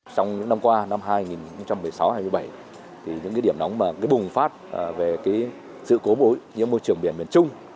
trong những năm qua năm hai nghìn một mươi sáu hai nghìn một mươi bảy những điểm nóng bùng phát về sự cố mối nhiễm môi trường biển miền trung